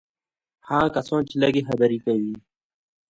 هغه کسان چې لږ خبرې کوي.